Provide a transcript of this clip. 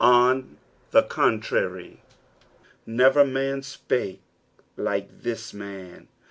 '" On the contrary, " Never mHa spake hke this man."